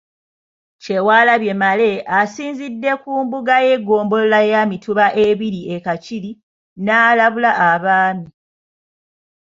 Kyewalabye Male asinzidde ku mbuga y’eggombolola ya Mituba ebiri e Kakiri n’alabula Abaami.